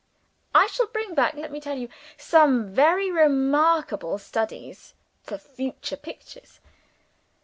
I shall bring back, let me tell you, some very remarkable studies for future pictures.